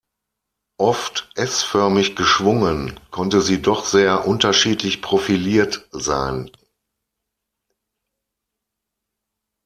Oft S-förmig geschwungen, konnte sie doch sehr unterschiedlich profiliert sein.